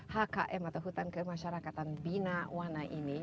hkm atau hutan ke masyarakatan binawana ini